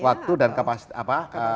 waktu dan kapasitas apa